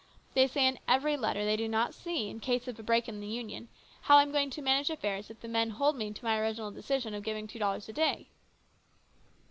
They say in every letter they do not see, in case of a break in the Union, how I am going to manage affairs if the men hold me to my original decision of giving two dollars a day."